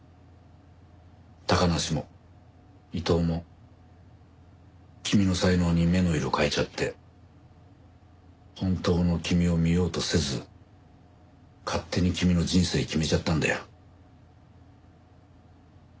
小鳥遊も伊藤も君の才能に目の色変えちゃって本当の君を見ようとせず勝手に君の人生決めちゃったんだよ。